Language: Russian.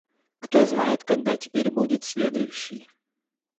Кто знает, когда теперь будет следующий.